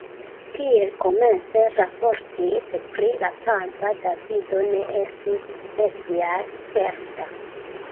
Kiel komence raportite, pri la Franca Davido ne estis speciale sperta.